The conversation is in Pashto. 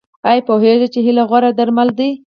ایا پوهیږئ چې هیله غوره درمل ده؟